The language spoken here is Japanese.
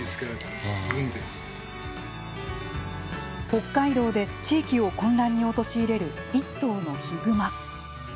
北海道で、地域を混乱に陥れる一頭のヒグマ。